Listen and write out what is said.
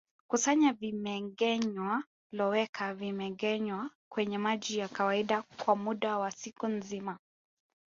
Kusanya vimengenywa loweka vimengenywa kwenye maji ya kawaida kwa muda wa siku nzima